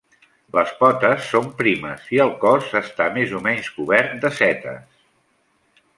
Les potes són primes i el cos està més o menys cobert de setes.